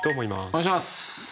お願いします。